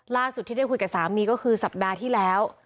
ล่าสุดที่ได้คุยกับสามีก็คือสัปดาห์ที่แล้ว